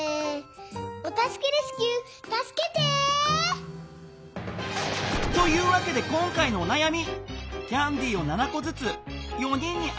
お助けレスキューたすけて！というわけで今回のおなやみ。